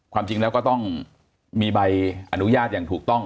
ความจริงแล้วก็ต้องมีใบอนุญาตอย่างถูกต้อง